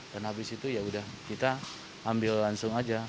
dan habis itu yaudah kita ambil langsung aja